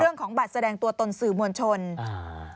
เรื่องของบัตรแสดงตัวตนสื่อมวลชนอ่า